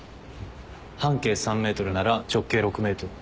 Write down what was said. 半径３ｍなら直径６ｍ。